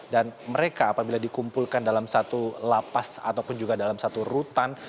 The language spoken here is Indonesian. dan mereka apabila dikumpulkan dalam satu lapas ataupun juga dalam satu rutan